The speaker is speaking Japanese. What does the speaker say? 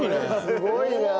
すごいな。